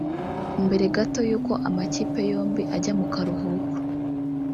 Mbere gato y’uko amakipe yombi ajya mu karuhuko